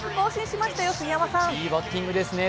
いいバッティングですね。